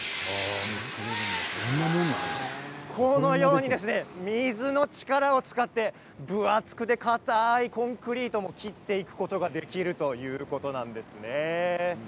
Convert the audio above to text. このように水の力を使って分厚くて硬いコンクリートも切っていくことができるということなんですね。